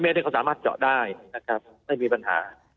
๑๐๐๒๐๐เมตรนี่เขาสามารถเจาะได้ไม่มีปัญหา